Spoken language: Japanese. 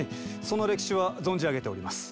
その歴史は存じ上げております。